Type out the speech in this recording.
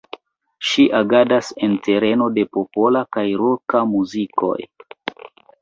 Ŝi agadas en tereno de popola kaj roka muzikoj.